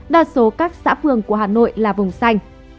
đa số các xã phường của hà nội là vùng xanh